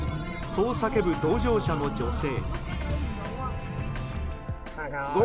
そう叫ぶ同乗者の女性。